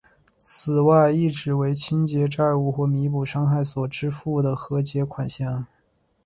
此外亦指为结清债务或弥补伤害所支付的和解款项。